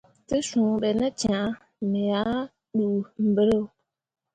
Te sũũ be ne cãã, me ah ɗuu mbǝro.